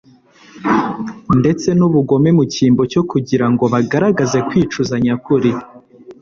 ndetse n’ubugome mu cyimbo cyo kugira ngo bagaragaze kwicuza nyakuri